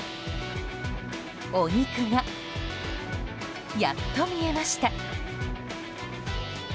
お肉が、やっと見えました。